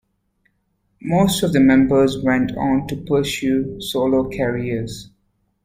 Most of the members went on to pursue solo careers.